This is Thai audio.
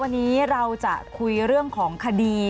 วันนี้เราจะคุยเรื่องของคดี